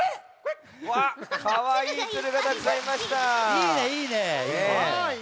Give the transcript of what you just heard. いいねいいね。